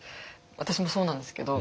私もそうなんですけど。